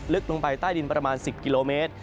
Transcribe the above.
ลึกลงไปใต้ดินประมาณ๑๐กิโลเมตร